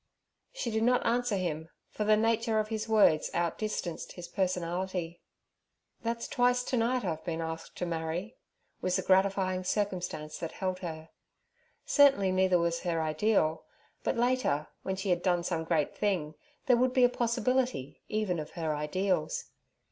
She did not answer him, for the nature of his words outdistanced his personality. 'That's twice to night I've been asked to marry' was the gratifying circumstance that held her. Certainly neither was her ideal, but, later, when she had done some great thing, there would be a possibility even of her ideals.